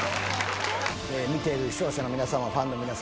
見ている視聴者の皆様ファンの皆様